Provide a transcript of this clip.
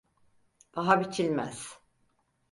Paha biçilmez.